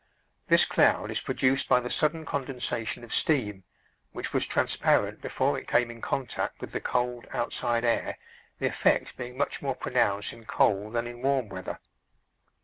This cloud is produced by the sudden condensation of steam, which was transparent before it came in contact with the cold, outside air, the effect being much more pronounced in cold than in warm weather.